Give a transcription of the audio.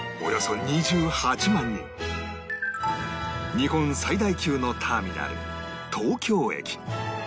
日本最大級のターミナル東京駅